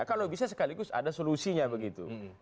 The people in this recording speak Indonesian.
kalau bisa sekaligus ada solusinya begitu